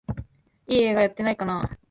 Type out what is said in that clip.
いい映画やってないかなあ